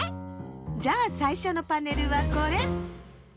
じゃあさいしょのパネルはこれ！